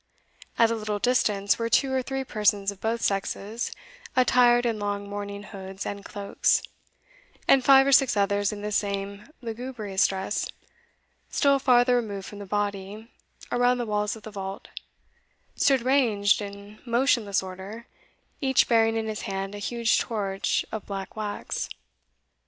At a little distance were two or three persons of both sexes, attired in long mourning hoods and cloaks; and five or six others in the same lugubrious dress, still farther removed from the body, around the walls of the vault, stood ranged in motionless order, each bearing in his hand a huge torch of black wax.